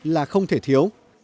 là không thể thiếu